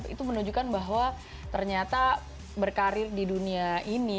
itu menunjukkan bahwa ternyata berkarir di dunia ini